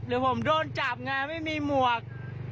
หรือผมโดนจับงานไม่มีหมวก